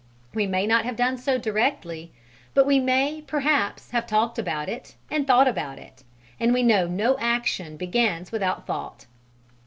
We may not have done so directly, but we may perhaps have talked about it and thought about it, and we know no action begins without thought.